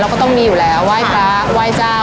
ก็ต้องมีอยู่แล้วไหว้พระไหว้เจ้า